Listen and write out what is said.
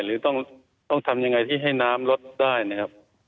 หรือต้องทำยังไงที่ให้น้ำลดได้นะครับ